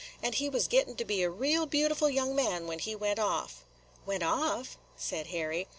And he was gettin' to be a real beautiful young man when he went off." "Went off?" said Harry.